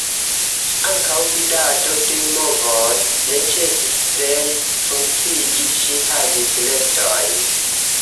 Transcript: Ankaŭ vidado de movoj ne ĉesis plene funkcii, ŝi havis restojn.